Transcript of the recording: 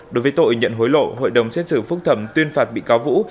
đối với tội nhận hối lộ hội đồng xét xử phúc thẩm tuyên phạt bị cáo vũ